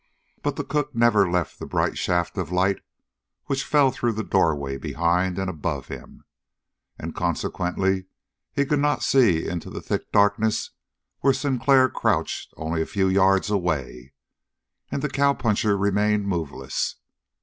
But the cook never left the bright shaft of light which fell through the doorway behind and above him, and consequently he could not see into the thick darkness where Sinclair crouched only a few yards away; and the cowpuncher remained moveless.